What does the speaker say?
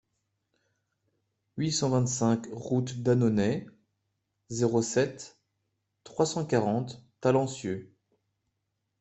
huit cent vingt-cinq route d'Annonay, zéro sept, trois cent quarante Talencieux